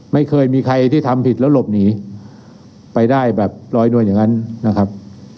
ไม่เคยมีใครที่ทำผิดแล้วหลบหนีไปได้แบบลอยนวลอย่างนั้นนะครับ